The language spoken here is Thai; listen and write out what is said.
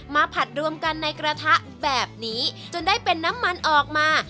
ผัดรวมกันในกระทะแบบนี้จนได้เป็นน้ำมันออกมา